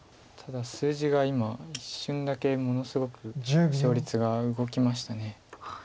ただ数字が今一瞬だけものすごく勝率が動きました。